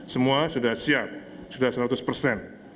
semua sudah siap sudah seratus persen